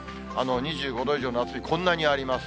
２５度以上の夏日、こんなにあります。